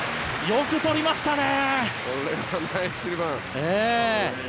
よく取りましたね。